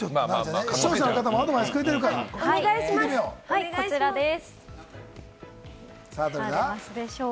視聴者の方もアドバイスくれこちらです。